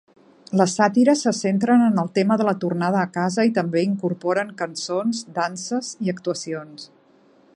Les sàtires se centren en el tema de la tornada a casa i també incorporen cançons, danses i actuacions.